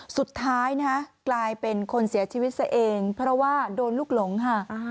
สุดท้ายนะฮะกลายเป็นคนเสียชีวิตซะเองเพราะว่าโดนลูกหลงค่ะ